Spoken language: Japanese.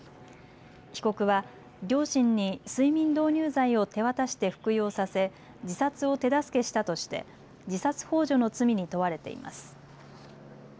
被告は両親に睡眠導入剤を手渡して服用させ自殺を手助けしたとして自殺ほう助の罪に問われています。